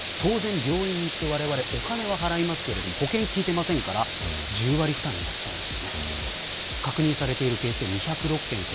病院に行ってわれわれお金を払いますけど保険がきいていませんから１０割負担になります。